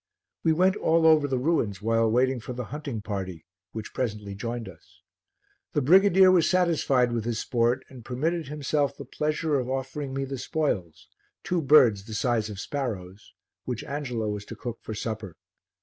We went all over the ruins while waiting for the hunting party which presently joined us. The brigadier was satisfied with his sport and permitted himself the pleasure of offering me the spoils two birds the size of sparrows which Angelo was to cook for supper.